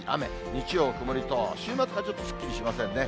日曜、曇りと、週末はちょっとすっきりしませんね。